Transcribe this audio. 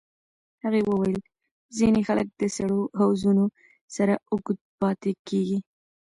هغې وویل ځینې خلک د سړو حوضونو سره اوږد پاتې کېږي.